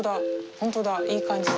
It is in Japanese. ほんとだいい感じだ。